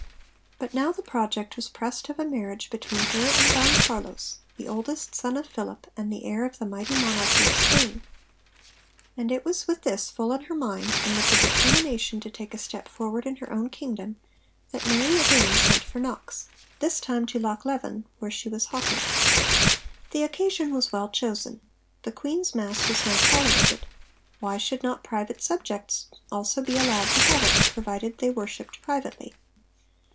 But now the project was pressed of a marriage between her and Don Carlos, the oldest son of Philip and the heir of the mighty monarchy of Spain. And it was with this full in her mind, and with the determination to take a step forward in her own kingdom, that Mary again sent for Knox this time to Lochleven, where she was hawking. The occasion was well chosen. The Queen's mass was now tolerated: why should not private subjects also be allowed to have it, provided they worshipped privately?